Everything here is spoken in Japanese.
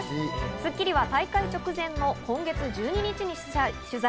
『スッキリ』は大会直前の今月１２日に取材。